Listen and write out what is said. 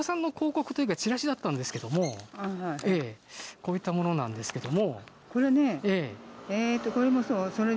こういったものなんですけども。